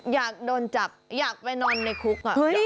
อยากโดนจับอยากไปนอนในคุก